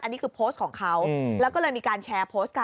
อันนี้คือโพสต์ของเขาแล้วก็เลยมีการแชร์โพสต์กัน